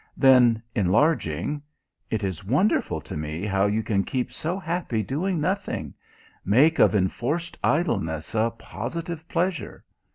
Then, enlarging: "It is wonderful to me how you can keep so happy doing nothing make of enforced idleness a positive pleasure!